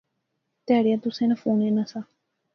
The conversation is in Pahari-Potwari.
تہاڑیا تسیں ناں فون ایناں سا